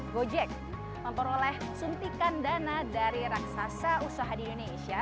gojek memperoleh suntikan dana dari raksasa usaha di indonesia